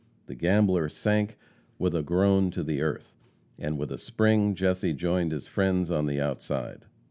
The gambler sank with a groan to the earth, and with a spring Jesse joined his friends on the outside.